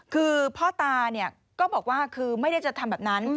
คือพ่อตาก็บอกว่าคือไม่ได้จะทำแบบนั้น